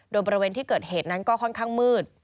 โดยบริเวณที่เกิดเหตุนั้นก็ค่อนข้างมืด